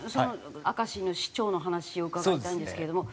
明石の市長の話を伺いたいんですけれども。